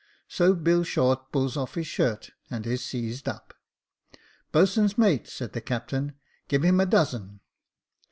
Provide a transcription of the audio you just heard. So Bill Short pulls off his shirt, and is seized up. * Boat swain's mate,' said the captain, * give him a dozen.'